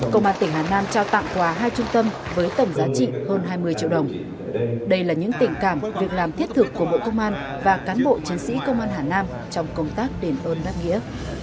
công an tỉnh hà nam trao tặng quà hai trung tâm với tổng giá trị hơn hai mươi triệu đồng đây là những tình cảm việc làm thiết thực của bộ công an và cán bộ chiến sĩ công an hà nam trong công tác đền ơn đáp nghĩa